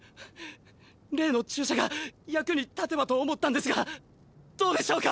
例の注射が役に立てばと思ったんですがどうでしょうか？